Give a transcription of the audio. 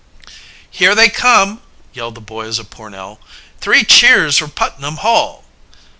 "Here they come!" yelled the boys of Pornell. "Three cheers for Putnam Hall!"